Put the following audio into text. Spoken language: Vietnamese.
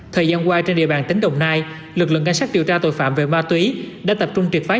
thời gian qua trên địa bàn tỉnh đồng nai lực lượng ngay sát điều tra tội phạm về ma túy đã tập trung triệt phá